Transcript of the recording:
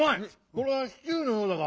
これは「シチュー」のようだが。